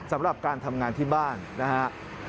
สำหรับการทำงานที่บ้านนะครับ